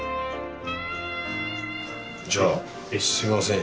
じゃあすいません。